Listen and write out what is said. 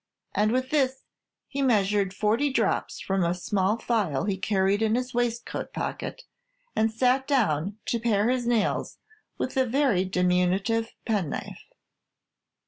And with this he measured forty drops from a small phial he carried in his waistcoat pocket, and sat down to pare his nails with a very diminutive penknife.